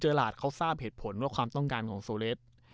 หลาดเขาทราบเหตุผลว่าความต้องการของโซเลส